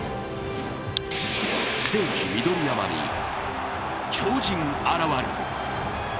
聖地・緑山に超人現る。